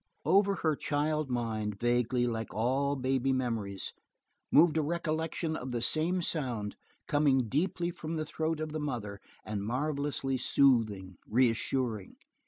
Over her child mind, vaguely, like all baby memories, moved a recollection of the same sound, coming deeply from the throat of the mother and marvelously soothing, reassuring.